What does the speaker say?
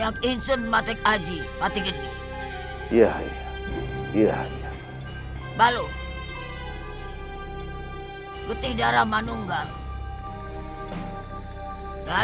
aku akan memilih sangat siapapun yang berani mengganggu